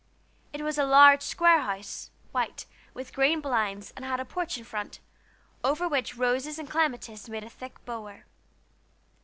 It was a large square house, white, with green blinds, and had a porch in front, over which roses and clematis made a thick bower.